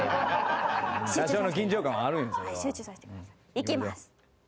いきます。